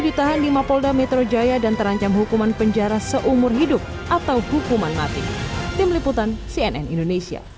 ditahan di mapolda metro jaya dan terancam hukuman penjara seumur hidup atau hukuman mati tim liputan cnn indonesia